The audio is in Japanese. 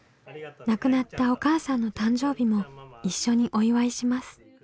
亡くなったお母さんの誕生日も一緒にお祝いします。